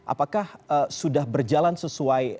apakah sudah berjalan sesuai